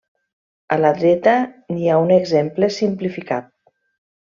A la dreta n'hi ha un exemple simplificat.